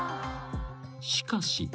［しかし］